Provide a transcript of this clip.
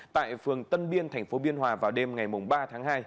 tại phường tân biên thành phố biên hòa vào đêm ngày ba tháng hai